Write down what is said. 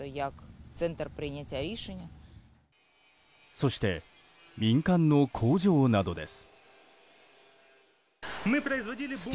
そして、民間の工場などです。